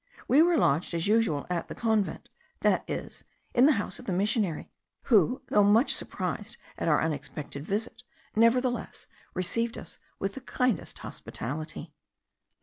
We were lodged as usual at the Convent, that is, in the house of the missionary, who, though much surprised at our unexpected visit, nevertheless received us with the kindest hospitality.